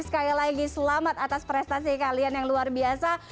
sekali lagi selamat atas prestasi kalian yang luar biasa